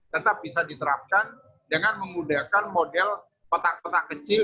tetap bisa diterapkan dengan menggunakan model petak petak kecil